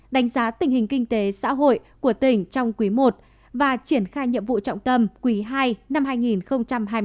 đánh giá tình hình kinh tế xã hội của tỉnh trong quý i và triển khai nhiệm vụ trọng tâm quý ii năm hai nghìn hai mươi bốn